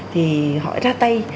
thì họ ra tay